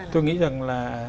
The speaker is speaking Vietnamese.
tôi nghĩ rằng là